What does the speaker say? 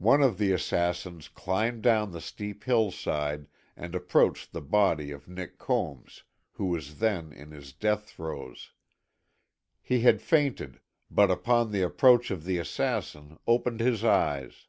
One of the assassins climbed down the steep hillside and approached the body of Nick Combs, who was then in his death throes. He had fainted, but upon the approach of the assassin, opened his eyes.